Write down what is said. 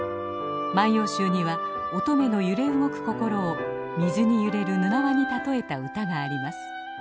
「万葉集」には乙女の揺れ動く心を水に揺れるぬなわに例えた歌があります。